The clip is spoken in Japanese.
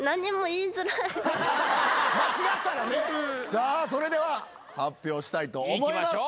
さあそれでは発表したいと思います。